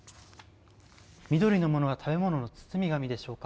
緑のものは食べ物の包み紙でしょうか。